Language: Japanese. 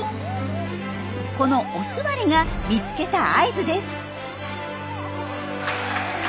この「お座り」が見つけた合図です。